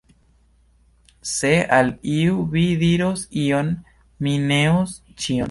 Se al iu vi diros ion, mi neos ĉion.